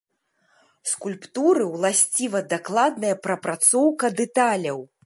Скульптуры ўласціва дакладная прапрацоўка дэталяў.